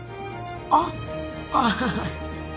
あっああ。